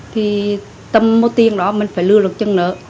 thì tâm mô tiên đó mình phải lừa được chân nợ